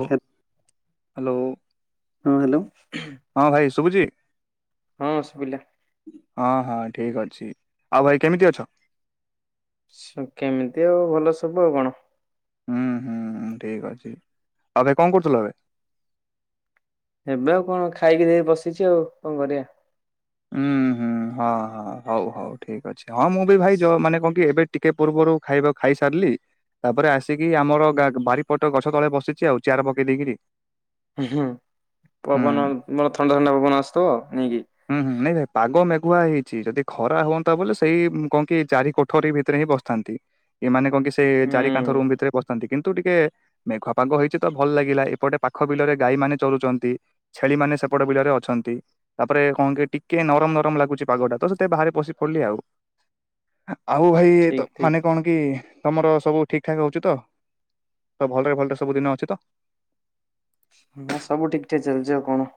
ଓ ହେ ହାଲୋ। ହଁ ହାଲୋ। ହଁ ଭାଇ ଶୁଭୁଚି? ହଁ ଶୁବିଲା। ହଁ ହଁ ଠିକ ଅଛି ଆଉ ଭାଇ କେମିତି ଅଛ? ଛ କେମିତି ଆଉ ଭଲ ସବୁ ଆଉ କଣ? ଉଁ ହୁଁ ଠିକ ଅଛି ଆଉ ଭାଇ କଣ କରୁଥୁଲ ଏବେ? ଏବେ ଆଉ କଣ ଖାଇକି ଯାଇ ବସିଚି ଆଉ କଣ କରିବା। ଉଁ ହୁଁ ହଁ ହଁ ହୋଉ ହୋଉ ଠିକ ଅଛି ହଁ ମୁଁ ବି ଭାଇ ଜ ମାନେ କଣ କି ଏବେ ଟିକେ ପୂର୍ବରୁ ଖାଇବ ଖାଇସାରଲି। ତାପରେ ଆସିକି ଆମର ଗା ବାରିପଟ ଗଛ ତଳେ ବସିଚି ଆଉ ଚେୟାର ପକେଇ ଦେଇକିରି। ଉଁ ହୁଁ ହୁଁ ପବନ ଭଲ ଥଣ୍ଡା ଥଣ୍ଡା ପବନ ଆସୁଥିବ ନେଇକି ହୁଁ ହୁଁ ନାଇଁ ଭାଇ ପାଗ ମେଘୁଆ ହେଇଚି ଯଦି ଖରା ହୁଅନ୍ତା ବୋଲି ସେଇ କଣ କି ଚାରି କୋଠରୀ ଭିତରେ ହିଁ ବସ ଥାନ୍ତି ଏମାନେ କଣ କି ସେ ଜାରି କାନ୍ଥ ହୁଁ। ରୁମ ଭିତରେ ପସଥାନ୍ତି। କିନ୍ତୁ ଟିକେ ମେଘୁଆ ପାଗ ହେଇଚି ତ ଭଲ ଲାଗିଲା ଏପଟେ ପାଖ ବିଲରେ ଗାଈମାନେ ଚରୁଚନ୍ତି। ଛେଳିମାନେ ସେପଟ ବିଲରେ ଅଛନ୍ତି। ତାପରେ କଣ କି ଟିକେ ନରମ ନରମ ଲାଗୁଚି ପାଗଟା ତ ସେତେ ବାହାରେ ବସି ପଡିଲି ଆଉ। ଆଉ ଭାଇ ତ ଠିକ ଠିକ ମାନେ କଣ କି ତମର ସବୁ ଠିକ ଠାକ ହୋଉଚି ତ ତ ଭଲରେ ଭଲରେ ସବୁ ଦିନ ଅଛି ତ? ହଁ ସବୁ ଠିକଠାକ ଚାଲଚି ଆଉ କଣ।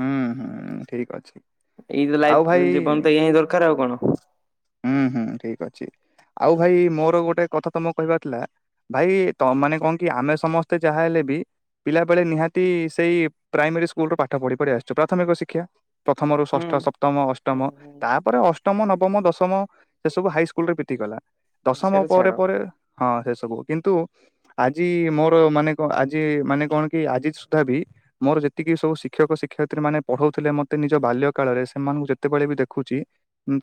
ହୁଁ ହୁଁ ଠିକ ଅଛି। ଏଇ ତ ଆଉ ଲାଇଫ ଜୀବନ ତ ଏଇଆ ହିଁ ଦରକାର ଆଉ କଣ। ଉଁ ହୁଁ ଠିକ ଅଛି ଆଉ ଭାଇ ମୋର ଗୋଟେ କଥା ତମକୂ କହିବାର ଥିଲା ଭାଇ ତମେମାନେ କଣ କି ଆମେ ସମସ୍ତେ ଯାହା ହେଲେ ବି ପିଲାବେଳେ ନିହାତି ସେଇ ପ୍ରାଇମେରୀ ସ୍କୁଲରୁ ପା ପାଠ ପଢି ପଢି ଆସଚୁ ପ୍ରାଥମିକ ଶିକ୍ଷା ପ୍ରଥମରୁ ଷଷ୍ଠ ସପ୍ ସପ୍ତମ ହୁଁ ଅଷ୍ଟମ ହୁଁ ତାପରେ ଅଷ୍ଟମ, ନବମ, ଦଶମ ସେସବୁ ହାଇସ୍କୁଲରେ ପିଟିଗଲା। ଦଶମ ସେଇଟା ଛାଡ। ପରେ ପରେ ହଁ ସେସବୁ କିନ୍ତୁ ଆଜି ମୋର ମାନେ କ ଆଜି ମାନେ କଣକି ଆଜି ସୁଦ୍ଧା ବି ମୋର ଯେତିକି ସବୁ ଶି ଶିକ୍ଷକ ଶିକ୍ଷୟତ୍ରୀ ମାନେ ପଢୋଉଥୁଲେ ମତେ ନିଜ ବାଲ୍ୟକାଳରେ ସେମାନଙ୍କୁ ଯେତେବେଳେ ବି ଦେଖୁଚି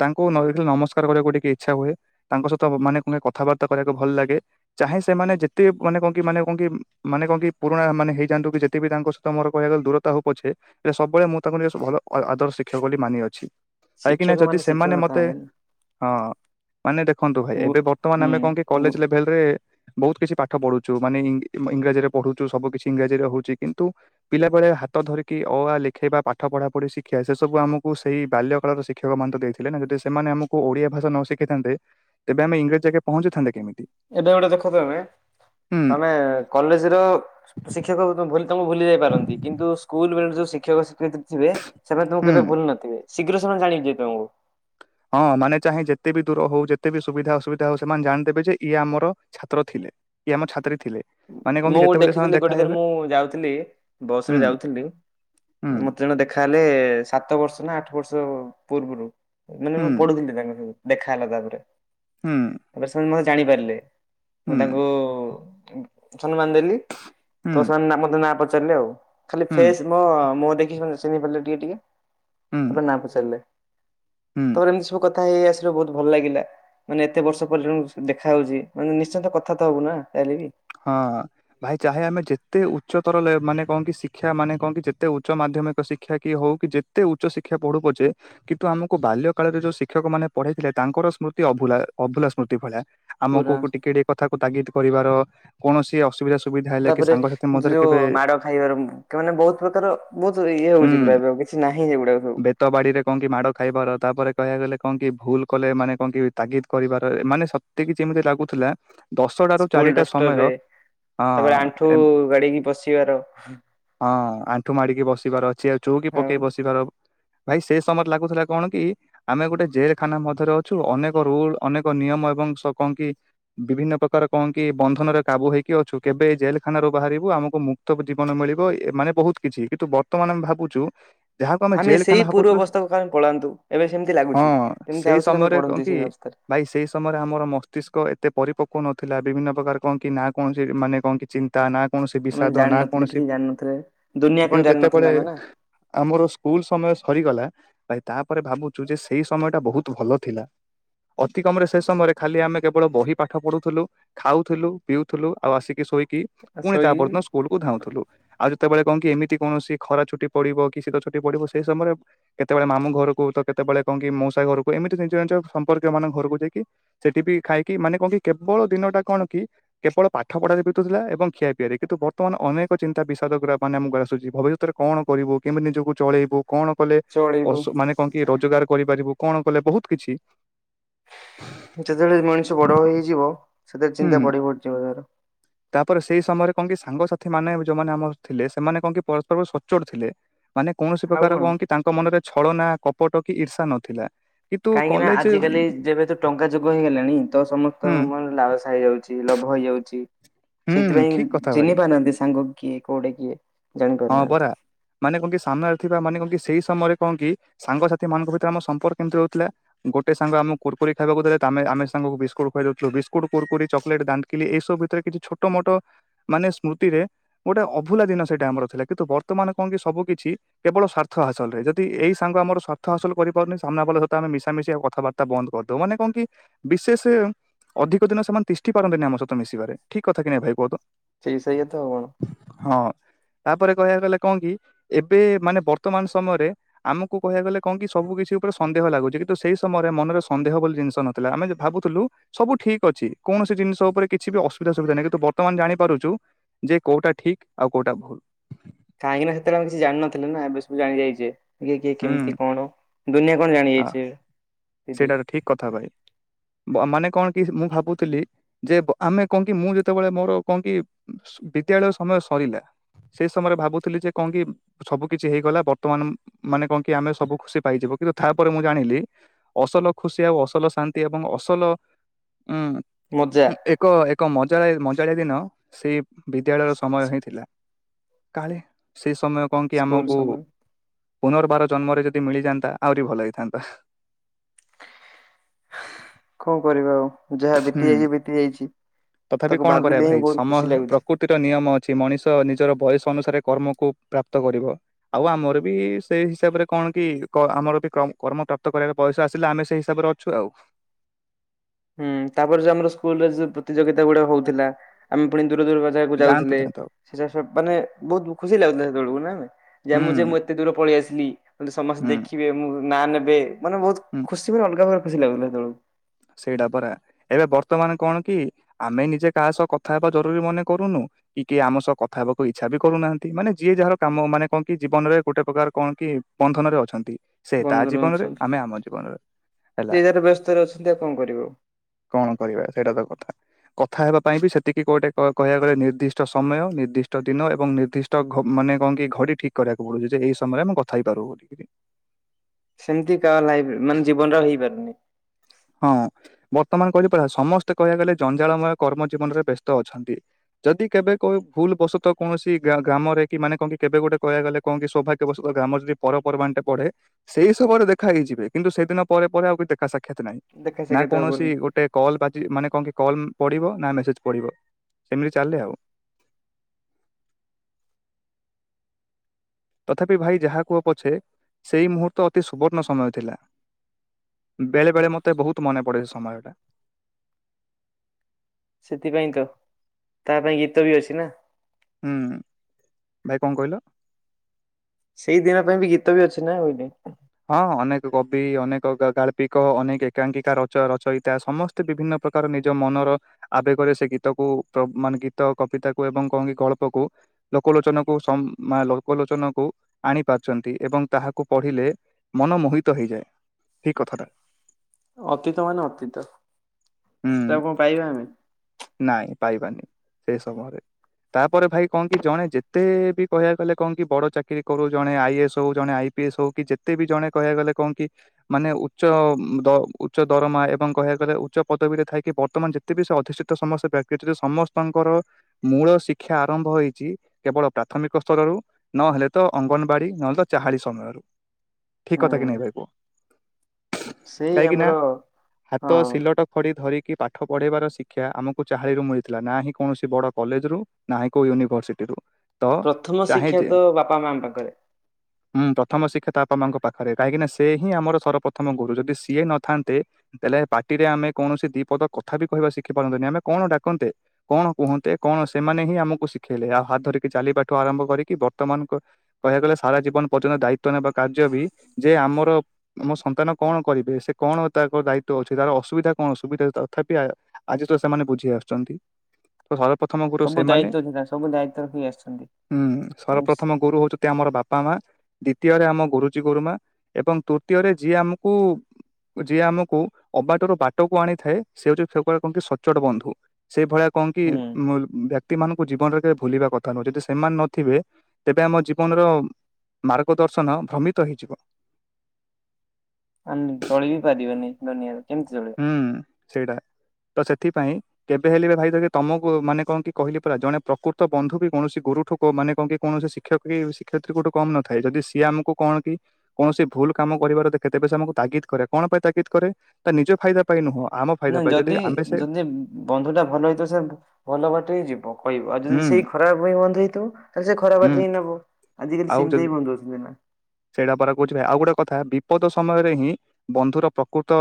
ତାଙ୍କୁ ନହେଲେ ନମସ୍କାର କରିବାକୁ ଟିକେ ଇଚ୍ଛା ହୁଏ ତାଙ୍କ ସହିତ ମାନେ ନେ କଥାବାର୍ତ୍ତା କରିବାକୁ ଭଲ ଲାଗେ। ଚାହେଁ ସେମାନେ ଯେତେ ମାନେ କଣ କି ମାନେ କଣ କି ମାନେ କଣ କି ପୁରୁଣା ମାନେ ହେଇଯାଆନ୍ତୁ କି ଯେତେ ବି ତାଙ୍କ ସ ମୋର କହିବାକୁ ଗଲେ ଦୂରତା ହୋଉ ପଛେ ଯେ ସବୁବେଳେ ମୁଁ ତାଙ୍କୁ ନିଜ ଭଲ ଆ ଆଦର ଶିକ୍ଷକ ବୋଲି ମାନିଅଛି। କାହିଁକିନା ଶିକ୍ଷକ ଯଦି ମାନେ ଶିକ୍ଷକ ସେମାନେ ମତେ ଥାଆନ୍ତେନି ହଁ ମାନେ ଦେଖନ୍ତୁ ଭାଇ ଗୁ ଏବେ ବର୍ତ୍ତମାନ ହୁଁ ଆମେ କଣକି ଗୁ କଲେଜ ଲେଭେଲରେ ବୋହୁତ କିଛି ପାଠ ପଢୁଚୁ ମାନେ ଇଂ ଇଂରାଜୀରେ ପଢୁଚୁ ସବୁ କିଛି ଇଂରାଜୀରେ ହୋଉଚି କିନ୍ତୁ ପିଲାପଳେ ହା ତ ଧରିକି ଅ ଆ ଲେଖେଇବା ପାଠ ପଢ଼ାପଢ଼ି ଶିକ୍ଷା ସେ ସବୁ ଆମକୁ ସେଇ ବାଲ୍ୟକଳର ଶିକ୍ଷକମାନ ଦେଇଥି ଥିଲେ ନା ଯଦି ସେମାନେ ଆମକୁ ଓଡିଆଭାଷା ନ ଶିଖେଇଥାନ୍ତେ ତେବେ ଆମେ ଇଂରାଜୀ ଯାକେ ପହଞ୍ଚିଥାନ୍ତେ କେମିତି? ଏବେ ଗୋଟେ ଦେଖ ତମେ ହୁଁ ଆମେ କଲେଜର ଶ୍ ଶିକ୍ଷକ ବିତ ଭୁଲା ତମକୁ ଭୁଲି ଯାଇପାରନ୍ତି କିନ୍ତୁ ସ୍କୁଲବେଳୁ ଯୋଉ ଶିକ୍ଷକ ଶିକ୍ଷତ୍ରୀ ଯିବେ ସେମାନେ ହୁଁ ତମକୁ କେବେ ଭୁଲି ନଥିବେ। ଶୀଘ୍ର ସେମାନେ ଜାନିଯିବେ ତମକୁ? ହଁ ମାନେ ଚାହେଁ ଯେତେବି ଦୂର ହଉ ଯେତେବିି ସୁବିଧା ଅସୁବିଧା ହଉ ସେମାନେ ଜାଣିଦେବେ ଯେ ଇଏ ଆମର ଛାତ୍ର ଥିଲେ କି ଆମ ଛାତ୍ରୀ ଥିଲେ? ମାନେ କଣ ମୁଁ କି ଯେତେବେଳେ ସେମାନେ ଦେଖିଥିଲି ଦେଖା ଗୋଟେ ଥର ହେବେ ମୁଁ ଯାଉଥିଲି ବସରେ ହୁଁ ଯାଉଥିଲି। ହୁଁ ମତେ ଜଣେ ଦେଖ୍ ଦେଖାହେଲେ ସାତ ବର୍ଷ ନା ଆଠ ବର୍ଷ ପୂର୍ବରୁ। ମାନେ ମୁଁ ହୁଁ ପଢୁଥିଲି ତାଙ୍କ ସବୁ ଦେଖାହେଲା ତାପରେ। ହୁଁ। ତାପରେ ସେମାନେ ମତେ ଜାଣିପାରିଲେ। ମୁଁ ହୁଁ ତାଙ୍କୁ ମାନ ଦେଲି ହୁଁ ତ ସେମାନେ ମତେ ନା ପଚାରିଲେ ଆଉ ଖାଲି ହୁଁ ଫେସ ମ ମୁହଁ ଦେଖି ଚିହ୍ନି ପାରିଲେ ଟିକେ ଟିକେ ହୁଁ ତାପରେ ନାଁ ପଚାରିଲେ? ହୁଁ। ତାପରେ ଏମିତି ସବୁ କଥା ହେଇ ହେଇ ଆସିଲେ ବହୁତ ଭଲ ଲାଗିଲା। ମାନେ ଏତେ ବର୍ଷ ପରେଲ ଦେଖା ହଉଛି ମାନେ ନିଶ୍ଚନ୍ତ କଥା ତ ହବୁ ନା ଯାହଲେ ବି? ହଁ ଭାଇ ଚାହେ ଆମେ ଯେ ଯେତେ ଉଚ୍ଚତର ମାନେ କହ କି ଶିକ୍ଷା ମାନେ କହଣ କି ଯେତେ ଉଚ୍ଚ ମାଧ୍ୟମିକ ଶିକ୍ଷା କି ହଉ କି ଯେ ଯେତେ ଉଚ୍ଚ ଶିକ୍ଷା ପଢୁ ପଛେ? କିନ୍ତୁ ଆମକୁ ବାଲ୍ୟ କାଳରେ ଯୋଉ ଶିକ୍ଷକ ମାନେ ପଢେଇଥିଲେ ତାଙ୍କର ସ୍ମୃତି ଅଭୁଲା ଅଭୁଲା ସ୍ମୃତି ଭଳିଆ। ଆମକୁ ପୁରା ଟିକେ ଟିକେ କଥାକୁ ତାଗିଦ କରିବାର କୌଣସି ଅସୁବିଧା ସୁବିଧା ହେଲେ କି ତାପରେ ସାଙ୍ଗସାଥି ମଧ୍ୟରେ ଯୋଉ କେବେ ମାଡ ଖାଇବାର ମୁ ମାନେ ବହୁତ ପ୍ରକାର ବହୁତ ଇଏ ହଉଛି ପ୍ରାୟତ? କିଛି ନାହିଁ ଏଗୁଡ଼ାକ। ଖେତ ବାଡିରେ କଣ କି ମାଡ଼ ଖାଇବାର ତାପରେ କହିବା ଗଲେ କଣ କି ଭୁଲ କଲେ ମାନେ କଣ କି ତାଗିଦ କରିବାର ମାନେ ସ ତେକି ଯେମିତି ଲାଗୁଥିଲା ଦଶଟାରୁ ସ୍କୁଲ ଚାରିଟା ସମୟ ଡଷ୍ଟରରେ ହଁ। ତାପରେ ହଁ ଆଣ୍ଠୁ ଗାଡିକି ବସିବାର ଆଣ୍ଠୁ ମାଡିକି ବସିବାର ଅଛି ଆଉ ଚୋଉକି ଆଉ ପକେଇ ବସିବାର ଭାଇ ସେଇ ସମୟରେ ଲାଗୁଥିଲା କଣ କି? ଆମେ ଗୋଟେ ଜେଲଖାନା ମଧ୍ୟରେ ଅଛୁ ଅନେକ ରୁଲ ଅନେକ ନିୟମ ଏବଂ କଣ କି? ବିଭିନ୍ନ ପ୍ରକାର କଣ କି ବନ୍ଧନରେ କାବୁ ହେଇକି ଅଛୁ କେବେ ଜେଲଖାନାରୁ ବାହାରିବୁ ଆମକୁ ମୁ ଜୀବନ ମିଳିବ ମାନେ ବହୁତ କିଛି କିନ୍ତୁ ବର୍ତ୍ତମାନ ଆମେ ଭାବୁଛୁ? ଯାହାକୁ ଆମେ ଜେଲ ସେଇ ଖାନା ପୂର୍ବ ଭାବୁଥିଲୁ ଅବସ୍ଥାକୁ କାଇଁ ପଳାନ୍ତୁ ଏବେ ସେମିତି ଲାଗୁଛି। ହଁ ଯେମିତି ସେଇ ଆଉଥରେ ଆମେ ସମୟରେ କଣ ପଢନ୍ତି କି? ସେଇ ଅବସ୍ଥାରେ ଭାଇ ସେଇ ସମୟରେ ଆମର ମସ୍ତିଷ୍କ ଏତେ ପରିପକ୍ୱ ନଥିଲା ବିଭିନ୍ନ ପ୍ରକାର କଣ କି ନା କୌଣସି ମାନେ କଣ କି ଚି ତା ନା କୌଣସି ଆମେ ବିଷାଦ ନା ଜାଣିନଥିଲେ କୌଣସି କିଛି ଜାଣିନଥିଲେ। ଦୁନିଆ କଣ କିନ୍ତୁ ଜାଣିନଥିଲେ ଯେତେବେଳେ ଆମେ ନା ଆମର ସ୍କୁଲ ସମୟ ସରିଗଲା ଭ ତାପରେ ଭାବୁଛୁ ଯେ ସେଇ ସମୟ ଟା ବହୁତ ଭଲ ଥିଲା। ଅତିକମରେ ସେ ସମୟରେ ଖାଲି ଆମେ କେବଳ ବହି ପାଠ ପଢୁଥିଲୁ। ଖାଉଥିଲୁ ପିଉଥିଲୁ ଆଉ ଆସିକି ଶୋଇକି ପୁଣି ତା ଶୋଇ ପରଦିନ ସ୍କୁ ସ୍କୁଲ କୁ ଧାଉଥିଲୁ ଆଉ ଯେତେବେଳେ କଣ କି ଏମିତି କୌଣସି ଖରା ଛୁଟି ପଡିବ କି ଶୀତ ଛୁଟି ପଡିବ ସେଇ ସମୟରେ କେତେବେଳେ ମାମୁ ଘରକୁ ତ କେତେବେଳେ କଣ କି ମଉସା ଘରକୁ ଏମିତି ଜି ଜିଷ ସମ୍ପର୍କୀୟ ମାନଙ୍କ ଘରକୁ ଯାଇକି ସେଠି ବି ଖାଇକି ମାନେ କଣ କି କେବଳ ଦିନଟା କଣ କି? କେବଳ ପାଠ ପଢାରେ ବିତୁଥିଲା ଏବଂ ଖିଆପିଆରେ କିନ୍ତୁ ବର୍ତ୍ତମାନ ଅନେକ ଚିନ୍ତା ବିସାଦଗ ମାନେ ଆମକୁ ଆସୁଛି ଭବିଷ୍ୟତରେ କଣ କରିବୁ କେମିତି ନିଜକୁ ଚଳେଇବୁ କଣ କଲେ ଚଳିବୁ ମାନେ କଣ କି ରୋଜଗାର କରିପାରିବୁ କଣ କଲେ ବହୁତ କିଛି ଯେତେବେଳେ ମଣିଷ ବଡ ହେଇଯିବ ସେତେବେଳେ ଚିନ୍ତା ହୁଁ ବଢି ବଢି ଯିବ ତାର। ତାପରେ ସେଇ ସମୟରେ କଣ କି ସାଙ୍ଗସାଥି ମାନେ ଯୋଉମାନେ ଆମର ଥିଲେ ସେମାନେ କଣ କି ପରସ୍ପର ସଚୋଟ ଥିଲେ। ମାନେ କୌଣସି ପ୍ରକାର କଣ କି ତାଙ୍କ ମନରେ ଛଳନା କପଟ କି ଇର୍ଷା ନଥିଲା। କିନ୍ତୁ କାହିଁକି ନା କଲେଜ ଆଜିକାଲି ଯେବେ ତ ଟଙ୍କା ଯୁଗ ହେଇଗଲାଣି ତ ସମସ୍ତଙ୍କ ହୁଁ ମନରେ ଲାଳସା ହେଇଗଲାଣି। ଲୋଭ ହେଇଯାଉଛି ହୁଁ ସେଇଥିପାଇଁ ଠିକ କଥା ଚିହ୍ନି ଭାଇ। ପାରୁନାହାନ୍ତି ସାଙ୍ଗ କିଏ କୋଉଠେ କିଏ? ଜାଣି ହଁ ପାରୁନାହାନ୍ତି ବରା। ମାନେ କଣ କିି ସାମ୍ନାରେ ଥିବା ମାନେ କଣ କି ସେଇ ସମୟରେ କଣ କି ସାଙ୍ଗସାଥି ମାନଙ୍କ ଭିତରେ ଆମ ସମ୍ପର୍କ କେମିତି ରହୁଥିଲା। ଗୋଟେ ସାଙ୍ଗ ଆମ କୁକୁରି ଖାଇବାକୁ ଦେଲେ ତା ଆମେ ଆମେ ସାଙ୍ଗକୁ ବିସ୍କୁଟ ଖୁଆଇ ଦଉ ଥିଲୁ ବିସ୍କୁଟ କୁରକୁରି ଚକଲେଟ ଦା ଏଇସବୁ ଭିତରେ କିଛି ଛୋଟ ମୋଟ ମାନେ ସ୍ମୃତିରେ ଗୋଟେ ଅଭୁଲା ଦିନ ସେଇଟା ଆମର। ଥିଲା କିନ୍ତୁ ବର୍ତ୍ତମାନ କଣ କି ସବୁ କିଛି। କେବଳ ସ୍ୱାର୍ଥ ହାସଲରେ ଯଦି ଏଇ ସାଙ୍ଗ ଆମର ସ୍ୱାର୍ଥ ହାସଲ କରିପାରୁନି [unintelligible] ସହିତ ଆମେ ମିଶା ମିଶି ଆଉ କଥାବା ତା ବନ୍ଦ କରିଦଉ ମାନେ କଣ କି ବିଶେଷେ ଅଧିକ ଦିନ ସେମାନେ ତିଷ୍ଠି ପାରନ୍ତିନି ଆମ ସହିତ ମିଶିବାରେ ଠିକ୍ କଥା କି ନହିଁ ଭାଇ କୁହ ତ। ସେଇ ସେଇୟା ତ ଆଉ କଣ। ହଁ। ତାପରେ କହିବାକୁ ଗଲେ କଣ କି ଏବେ ମାନେ ବର୍ତ୍ତମାନ ସମୟରେ। ଆମକୁ କହିବାକୁ ଗଲେ କଣ କି ସବୁ କିଛି ଉପରେ ସନ୍ଦେହ ଲାଗୁଚି କିନ୍ତୁ ସେଇ ସମୟରେ ମନରେ ସନ୍ଦେହ ବୋଲି ଜିନିଷ ନ ଥିଲା ଆମେ ଯେ ଭାବୁଥୁଲୁ। ସବୁ ଠିକ ଅଛି କୌଣସି ଜିନିଷ ଉପରେ କିଛି ଅସୁବିଧା ସୁବିଧା ନାହିଁ କିନ୍ତୁ ବର୍ତ୍ତମାନ ଜାଣିପାରୁଚୁ। ଯେ କୋଉଟା ଠିକ ଆଉ କୋଉଟା ଭୁଲ। କାହିଁକିନା ସେତେବେଳେ ଆମେ କିଛି ଜାଣିନଥିଲେ ନା ଏବେ ସବୁ ଜାଣିଯାଇଚେ। ଇଏ କିଏ କେମିତି ହୁଁ କଣ ଦୁନିଆ କଣ ଜାଣି ଯାଇଛେ। ସେଟାରେ ଠିକ୍ କଥା ଭାଇ ମାନେ କଣ କି ମୁଁ ଭାବୁଥିଲି। ଯେ ଆମେ କଣ କି ମୁଁ ଯେତେବେଳେ ମୋର କଁ କି ସୁ ବିଦ୍ୟାଳୟ ସମୟ ସରିଲା। ସେଇ ସମୟରେ ଭାବୁଥିଲି ଯେ କଣ କି ସବୁ କିଛି ହେଇଗଲା ବର୍ତ୍ତମାନ ମାନେ କଣ କି ଆମେ ସବୁ ଖୁସି ପାଇଯିବୁ କିନ୍ତୁ ତାପରେ ମୁଁ ଜାଣିଲି। ଅସଲ ଖୁସି ଆଉ ଅସଲ ଶାନ୍ତି ଏବଂ ଅସଲ ଉଁ ମଜା ଏକ କ ଏକ ମଜାଳି ମଜାଳିଆ ଦିନ ସେଇ ବିଦ୍ୟାଳୟ ସମୟ ହିଁ ଥିଲା। କାଳେ ସେ ସମୟ କଣ କି ସ୍କୁଲ ଆମକୁ। ସମୟ। ପୁନର୍ବାର ଜନ୍ମରେ ଯଦି ମିଳିଯାନ୍ତା ଆହୁରି ଭଲ ହେଇଥାନ୍ତା। କଣ କରିବା ଆଉ ଯାହା ବିତି ହୁଁ। ଯାଇଚି ବିତି ଯାଇଚି ତଥାପି ତାକୁ କଣ କରିବା ଭାବିଲେ ହିଁ ଭାଇ ବହୁତ ସମ ଖୁସି ଲାଗୁଚି। [unintelligible] ନିୟମ ଅଛି ମଣିଷ ନିଜର ବୟସ ଅନୁସାରେ କର୍ମକୁ ପ୍ରାପ୍ତ କରିବ। ଆଉ ଆମର ବି ସେ ହିସାବରେ କଣ କି କ ଆମର ବି କମ୍ କର୍ମ ପ୍ରାପ୍ତ କରିବାରେ ବୟସ ଆସ ଚିଲା ଆମେ ସେ ହିସାବରେ ଅଛୁ ଆଉ। ହୁଁ ତାପରେ ଯୋଉ ଆମର ସ୍କୁଲ ରେ ଯଉ ପ୍ରତିଯୋଗିତା ଗୁଡା ହଉଥିଲା ଆମେ ପୁଣି ଦୂର ଦୂର ବା ଜାଗାକୁ ଯାଆନ୍ତୁ ଯାଉଥିଲେ ଯାଆନ୍ତୁ ଆଉ [unintelligible] ମାନେ ବହୁତ ଖୁସି ଲାଗୁଥିଲା ସେତେବେଳକୁ ନା ନାଇଁ ଯେ ମୁଁ ଯେ ହୁଁ ମୁଁ ଏତେ ଦୂର ପଳେଇ ଆସିଲି ସମସ୍ତେ ହୁଁ ଦେଖିବେ ମୋ ନାଁ ନେବେ। ମାନେ ବହୁତ ହୁଁ ଖୁସିବି ଅଲଗା ପ୍ରକାରେ ଖୁସି ଲାଗୁଥିଲା ହେତେବେଳକୁ। ସେଇଟା ପରା ଏବେ ବର୍ତ୍ତମାନ କଣ କି ଆମେ ନିଜେ କାହା ସହ କଥା ହେବା ଜରୁରୀ ମନେ କରୁନୁ। କି କିଏ ଆମ ସହ କଥା ହେବାକୁ ଇଚ୍ଛା ବି କରୁନାହାନ୍ତି ମାନେ ଯିଏ ଯାହାର କାମ ମାନେ କଣ କି ଜୀବନରେ ଗୋଟେ ପ୍ରକାର କଣ କି ବଦ୍ଧନରେ ଅଛନ୍ତି ସେ ତା ବନ୍ଧୁର ଜୀବନରେ ଅଛନ୍ତି। ଆମେ ଆମ ଜୀବନରେ ହେଲା। ତାର ଅସୁବିଧା କଣ କଣ କରିବ। କଣ କରିବା ସେଟା ତ କଥା। କଥା ହେବା ପାଇଁ ବି ସେତିକି ଗୋଟେ କ କହିବାକୁ ଗଲେ ନିର୍ଦ୍ଦିଷ୍ଟ ସମୟ ନିର୍ଦ୍ଦିଷ୍ଟ ଦିନ ଏବଂ ନିର୍ଦ୍ଦି ତ ଘ ମାନେ କଣ କି ଘଡି ଠିକ୍ କରିବାକୁ ପଡୁଛି ଯେ ଏଇ ସମୟ ମୁ କଥା ହେଇପାରୁୁ ବୋ ସେମିତି କା ଲାଇଫ ମାନେ ଜୀବନରେ ଆଉ ହେଇପାରୁନି। ହଁ ବର୍ତ୍ତମାନ କହିଲି ପରା ସମସ୍ତେ କହିବାକୁ ଗଲେ ଜଞ୍ଜାଳମୟ କର୍ମ ଜୀବନରେ ବ୍ୟସ୍ତ ଅଛନ୍ତି। ଯଦି କେବେ କଉ ଭୁଲ ବସତ କୌଣସି ଗା ଗ୍ରାମରେ କି ମାନେ କଣ କି କେବେ ଗୋଟେ କହିବା ଗଲେ। କଣ କି ସୌଭାଗ୍ୟବସତ ଗ୍ରାମରେ ଯଦି ପରପର୍ବାଣିଟେ ପଡେ। ସେଇସମୟରେ ଦେଖା ହେଇ ଯିବେ କିନ୍ତୁ ସେଦିନ ପରେ ପରେ ଆଉ ବି ଦେଖା ସାକ୍ଷାତ ନାହିଁ। ଦେଖା ନା ସାକ୍ଷାତ କୌଣସି ହବନି ଗୋଟେ କଲ୍ ବା ଚି ମାନେ କଣ କି କଲ୍ ପଡିବ ନା ମେସେଜ ପଡିବ ସେମିତି ଚାଲେ ଆଉ। ତଥାପି ଭାଇ ଯାହା କୁହ ପଛେ ସେଇ ମୁହୂର୍ତ୍ତ ଅତି ସୁବର୍ଣ୍ଣ ସମୟ ଥିଲା। ବେଳେ ବେଳେ ମତେ ବୋହୁତ ମନେ ପଡେ ସମୟଟା। ସେଥିପାଇଁ ତ ତା ପାଇଁ ଗୀତ ବି ଅଛି ନା। ହୁଁ ଭାଇ କଣ କହିଲ? ସେଇ ଦିନ ପାଇଁ ବି ଗୀତ ବି ଅଛି ନା ହେଇନି। ହଁ ଅନେକ କବି ଅନେକ ଗା-ଗାଳ୍ପିକ ଅନେକ ଏକାଙ୍କିକା ରଚ-ରଚୟିତା ସମ ସ୍ତେ ବିଭିନ୍ନ ପ୍ରକାର ନିଜ ମନର ଆବେଗରେ ସେ ଗୀତକୁ ପ୍ର ମାନେ ଗୀତ କବିତା କୁ ଏବଂ କଣକି ଗଳ୍ପ କୁ ଲୋକ ଲୋଚନକୁ ସ ମା ଲୋକ ଲୋଚନକୁ ଆଣି ପାରୁଚନ୍ତି ଏବଂ ତାହାକୁ ପଢିଲେ ମନ ମୋହିତ ହେଇଯାଏ ଏଇ କଥାଟା। ଅତୀତ ମାନେ ଅତୀତ ହୁଁ ସେଟାକୁ କଣ ପାଇବା ଆମେ। ନାଇଁ ପାଇବାନି ସେଇ ସମୟରେ। ତାପରେ ଭାଇ କଣ କି ଜଣେ ଯେତେ ବି କହିବାକୁଗଲେ କଣ କି ବଡ ଚାକିରି କରୁ ଜଣେ ଆଇଏସ୍ ହୋଉ ଜଣେ ଆଇ ପିଏସ୍ ହୋଉ କି ଯେତେ ବି ଜଣେ କହିବା କୁ ଗଲେ କଣ କି ମାନେ ଉଚ୍ଚ ଦ ଉଚ୍ଚ ଦରମା ଏବଂ କହିବାକୁ ଗଲେ ଉଚ୍ଚ ପଦବୀରେ ଥାଇକି ବର୍ତ୍ତମାନ ଯେତେ ବି ସେ ଅଧିଷତ୍ [unintelligible] ସମସ୍ତେ ପ୍ୟାକେଟରେ ସମସ୍ତଙ୍କର ମୂଳ ଶିକ୍ଷା ଆରମ୍ଭ ହେଇଚି କେବଳ ପ୍ରାଥମିକ ସ୍ତରରୁ। ନହେଲେ ତ ଅଙ୍ଗନବାଡି ନହେଲେ ତ ଚାହାଳି ସମୟରୁ ଠିକ୍ କଥା କି ହୁଁ ନାଇଁ ଭାଇ କୁଅ। ସେଇ କାହିଁକି ନା ଆମର ହାତ ହଁ ସିଲଟ ଖଡି ଧରିକି ପାଠ ପଢେଇବାର ଶି କ୍ଷା ଆମକୁ ଚାହାଳିରୁ ମିଳିଥିଲା ନାହିଁ କୌଣସି ବଡ କଲେଜରୁ ନାହିଁ କୋଉ ୟୁନିଭରସିଟିରୁୁ। ପ୍ରଥମ ଶିକ୍ଷା ତ ବାପା ମାଙ୍କ ପାଖରେ। ହ ହୁଁ ପ୍ରଥମ ଶିକ୍ଷା ତ ବାପା ମାଙ୍କ ପାଖରେ କାହିଁକି ନା ସେ ହିଁ ଆମର ସର୍ବପ୍ରଥମ ଗୁରୁ ଯଦି ସିଏ ନଥାନ୍ତେ। ତାହେଲେ ପାଟିରେ ଆମେ କୌଣସି ଦି ପଦ କଥା ବି କହିବା ଶିଖି ପାରନ୍ତେନି ଆମେ କଣ ଡାକନ୍ତେ। କଣ କୁହନ୍ତେ କଣ ସେମାନେ ହିଁ ଆମକୁ ଶିଖେଇଲେ ଆଉ ହାତ ଧରିକି ଚାଲିବାଠୁ ଆରମ୍ଭ କରିକି ବର୍ତ୍ତମାନ ପ କହିବାକୁ ଗଲେ ସାରା ଜୀବନ ପର୍ଯ୍ୟନ୍ତ ଦାୟିତ୍ବ ନେବା କାର୍ଯ୍ୟ ବି ଯେ ଆମର ଆମ ସନ୍ତାନ କଣ କରିବେ ସେ କଣ ତାଙ୍କ ଦାୟିତ୍ଵ ଅଛି। ତାର ଅସୁବିଧା କଣ ସୁବିଧା ତଥାପି ଆ ଆଜି ତ ସେମାନେ ବୁଝି ଆସୁଚନ୍ତି। ତ ସର୍ବପ୍ରଥମ ଗୁରୁ ସବୁ ସେମାନେ ଦାୟିତ୍ୱ ଥିଲା ସବୁ ଦାୟିତ୍ୱ ରଖି ଆସିଛନ୍ତି। ହୁଁ ଇସ୍, ସର୍ବପ୍ରଥମ ଗୁରୁ ହୋଉଚ ନ୍ତି ଆମର ବାପା ମା ଦ୍ଵିତୀୟରେ ଆମ ଗୁରୁଜୀ ଗୁରୁମା ଏବଂ ତୃତୀୟରେ ଯିଏ ଆମକୁ ଯିଏ ଆମକୁ ଅବାଟର ବାଟକୁ ଆଣିଥାଏ ସେ ହୋଉଚି [unintelligible] କୁହନ୍ତି ସଚ୍ଚୋଟ ବନ୍ଧୁ। ସେ ଭଳିଆ କଣ କି ହୁଁ ବ୍ୟକ୍ତି ମାନଙ୍କୁ ତାକୁ ଜୀବନରେ କେବେ ଭୁଲିବା କଥା ନୁହଁ। ଯଦି ସେମାନେ ନଥିବେ ତେବେ ଆମ ଜୀବନର ମାର୍ଗଦର୍ଶନ ଭ୍ରମିତ ହେଇଯିବ। ଆମେ ଚଳି ବି ପାରିବାନି ଦୁନିଆରେ କେମିତି ଚଳିବା। ହୁଁ ସେଇଟା ତ ସେଥିପାଇଁ କେବେ ହେଲେ ଭାଇ ଦେଖେ ତମକୁ ମାନେ କଣ କି କହିଲି ପରା ଜଣେ ପ୍ରକୃତ ବନ୍ଧୁ ବି କୌଣସି ଗୁରୁଠୁ କୋ ମାନେ କଣ କି କୌଣସି ଶିକ୍ଷକ ବି ଶିକଷୟିତ୍ରୀ କଠୁ କମ ନଥାଏ। ଯଦି ସିଏ ଆମକୁ କଣ କି କୌଣସି ଭୁଲ କାମ କରିବାର ଦେଖେ ତେବେ ସେ ଆମକୁ ତାଗିଦ କରେ କଣ ପାଇଁ ତାଗିଦ କରେ। ତା ନିଜ ଫାଇଦା ପାଇଁ ନୁହଁ। ଆମ ଫାଇଦା ନାଁଇ ପାଇଁ ଯଦି ଆମେ ସେ ଯଦି ବନ୍ଧୁଟା ଭଲ ହେଇଥିବ ସାର୍। ଭଲ ବାଟରେ ଯିବ କହିବୁ ଆଉ ହୁଁ ଯଦି ସେଇ ଖରାପ [unintelligible] ବନ୍ଧୁ ହେଇଥିବ ତାହେଲେ ସେ ଖରାପ ହୁଁ ବାଟରେ ହିଁ ନବ ଆଜିକାଲି ଆଉ ଯଦି ସେମିତି ହି ବନ୍ଧୁ ହୋଉଚନ୍ତି ନା। ସେଇଟା ପରା କୋହୁଚି ଭାଇ ଆଉ ଗୋଟେ କଥା ବିପଦ ସମୟରେ ହିଁ ବନ୍ଧୁର ପ୍ରକୃତ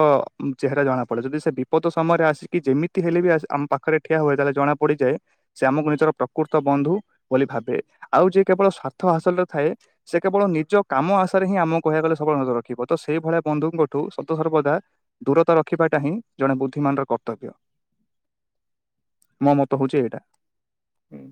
ଚେହେରା ଜଣା ପଡେ ଯଦି ସେ ବିପଦ ସମୟରେ ଆସିକି ଯେମି ହେଲେ ବି ଆ ଆମ ପାଖରେ ଠିଆ ହୁଏ ତାହେଲେ ଜଣା ପଡିଯାଏ ସେ ଆମକୁ ନିଜର ପ୍ରକୃତ ବନ୍ଧୁ ବୋଲି ଭାବେ ଆଉ ଯିଏ କେବଳ ସ୍ଵାର୍ଥ ହାସଲରେ ଥାଏ ସେ କେବଳ ନିଜ କାମ ଆଶାରେ ହିଁ ଆମକୁ କହିବାକୁ ଗଲେ ସବଳ ନଜର ରଖିବ ତ ସେଇଭଳିଆ ବନ୍ଧୁଙ୍କ ଠୁ ସତ ସର୍ବଦା ଦୂରତା ରଖିବାଟା ହିଁ ଜଣେ ବୁଦ୍ଧିମାନର କର୍ତ୍ତବ୍ୟ। ମୋ ମତ ହଉଛେ ଏଇଟା। ହୁଁ।